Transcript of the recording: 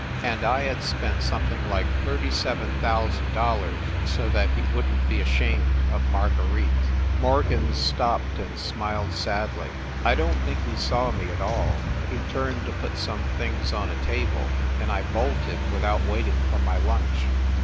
And I had spent something like $37, 000 so that he wouldn t be ashamed of Marguerite ! Morgan stopped and smiled sadly. "I don t think he saw me at all. He turned to put some things on a table, and I bolted without waiting for my lunch.